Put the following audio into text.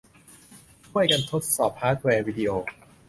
ช่วยกันทดสอบฮาร์ดแวร์วีดิโอ